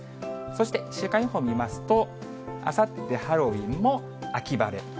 そして週間予報見ますと、あさってハロウィーンも秋晴れ。